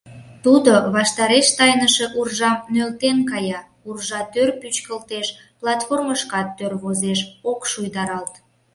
Тудо ваштареш тайныше уржам нӧлтен кая, уржа тӧр пӱчкылтеш, платформышкат тӧр возеш, ок шуйдаралт.